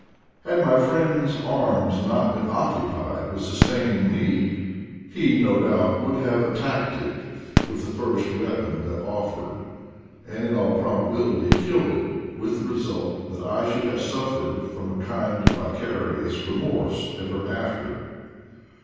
Had my friend's arms not been occupied with sustaining me he, no doubt, would have at tacked it with the first weapon that offered, and in all probability killed it, with the result that I should have suffered from a kind of vicarious remorse ever after.